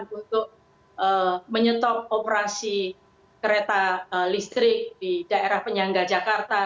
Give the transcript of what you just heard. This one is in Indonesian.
kemudian apakah permintaan untuk menyetop operasi kereta listrik di daerah penyangga jakarta